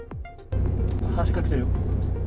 話しかけてる。